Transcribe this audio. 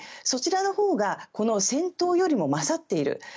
そちらのほうが戦闘よりも勝っている。